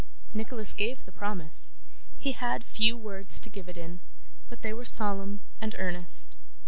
Nicholas gave the promise; he had few words to give it in, but they were solemn and earnest.